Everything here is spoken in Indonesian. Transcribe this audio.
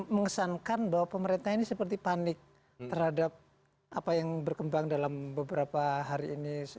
mengesankan bahwa pemerintah ini seperti panik terhadap apa yang berkembang dalam beberapa hari ini